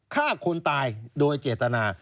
ฆ่าคนตายโดยเจตนา